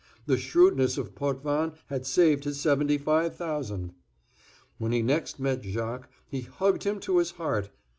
The shrewdness of Potvin had saved his seventy five thousand. When he next met Jacques, he hugged him to his heart.